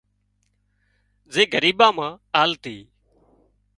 زي ڳريٻان مان آلتي